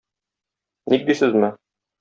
Ник дисезме?